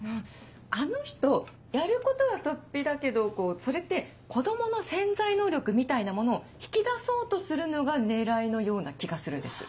あの人やることは突飛だけどそれって子供の潜在能力みたいなものを引き出そうとするのが狙いのような気がするんです。